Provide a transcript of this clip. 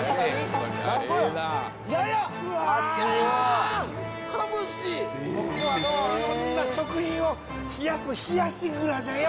ここはいろんな食品を冷やす冷やし蔵じゃよ。